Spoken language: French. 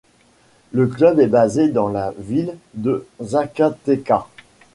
Le club est basé dans la ville de Zacatecas.